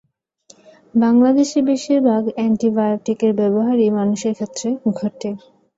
বাংলাদেশে বেশিরভাগ অ্যান্টিবায়োটিকের ব্যবহারই মানুষের ক্ষেত্রে ঘটে।